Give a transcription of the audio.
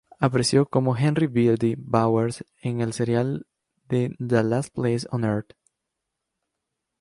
Apareció como Henry "Birdie" Bowers en el serial de "The Last Place on Earth".